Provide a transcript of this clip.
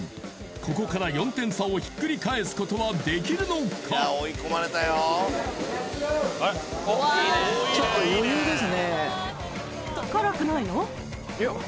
ここから４点差をひっくり返すことはできるのかちょっと余裕ですね